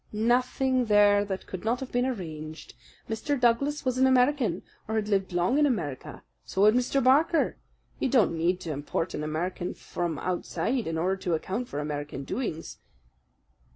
"Nothing there that could not have been arranged. Mr. Douglas was an American, or had lived long in America. So had Mr. Barker. You don't need to import an American from outside in order to account for American doings."